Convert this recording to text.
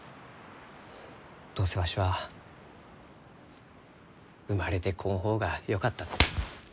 どうせわしは生まれてこん方がよかった。